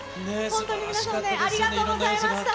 本当に皆さんね、ありがとうございました。